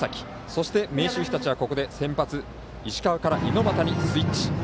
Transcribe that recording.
そして明秀日立はここで先発、石川から猪俣にスイッチ。